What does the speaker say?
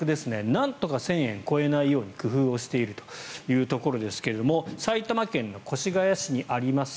なんとか１０００円超えないように工夫をしているということですが埼玉県の越谷市にあります